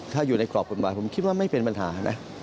ถ้าอยู่ในกรอบกฎหมายผมคิดว่าไม่เป็นปัญหานะ